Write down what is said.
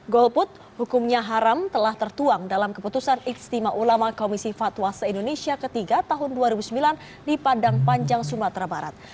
golput hukumnya haram telah tertuang dalam keputusan istimewa ulama komisi fatwa se indonesia ketiga tahun dua ribu sembilan di padang panjang sumatera barat